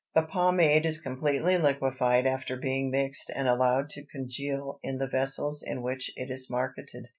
The pomade is completely liquefied after being mixed and allowed to congeal in the vessels in which it is marketed.